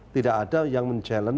tidak ada yang menjelan